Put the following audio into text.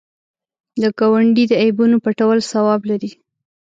د ګاونډي د عیبونو پټول ثواب لري